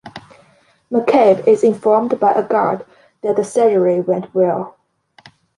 McCabe is informed by a guard that the surgery went well.